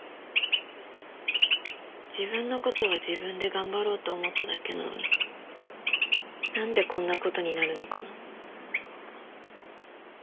自分の事は自分で頑張ろうと思っただけなのになんでこんな事になるのかな？